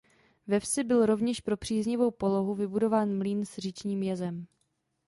Ve vsi byl rovněž pro příznivou polohu vybudován mlýn s říčním jezem.